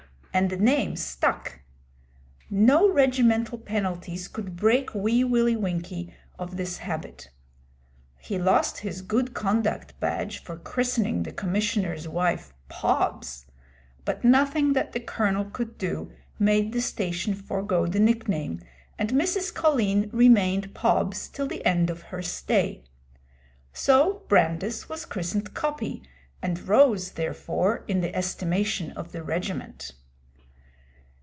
And the name stuck. No regimental penalties could break Wee Willie Winkie of this habit. He lost his good conduct badge for christening the Commissioner's wife 'Pobs'; but nothing that the Colonel could do made the Station forego the nickname, and Mrs. Collen remained 'Pobs' till the end of her stay. So Brandis was christened 'Coppy,' and rose, therefore, in the estimation of the regiment.